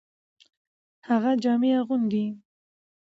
هغه جامي اغوندي .